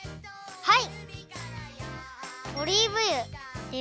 はい。